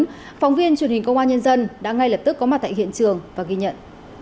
phóng viên truyền hình công an nhân dân đã ngay lập tức có mặt tại hiện trường và ghi nhận